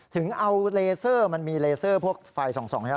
ถึงเอาเลเซอร์มันมีเลเซอร์พวกไฟส่องนะครับ